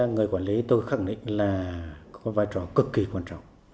người quản lý tôi khẳng định là có vai trò cực kỳ quan trọng